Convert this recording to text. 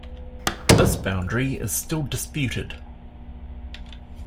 This boundary is still disputed.